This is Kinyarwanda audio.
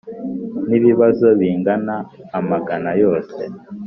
N’ibibazo bingana amagana yose